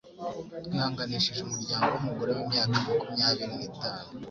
Twihanganishije umuryango w'umugore w'imyaka makubyabiri nitanu